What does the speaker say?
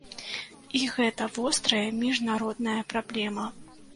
І гэта вострая міжнародная праблема.